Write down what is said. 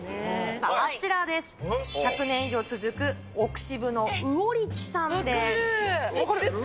１００年以上続く、奥渋の魚力さんです。